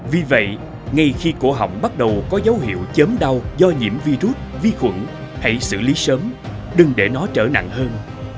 vì vậy ngay khi cổ họng bắt đầu có dấu hiệu chớm đau do nhiễm virus vi khuẩn hãy xử lý sớm đừng để nó trở nặng hơn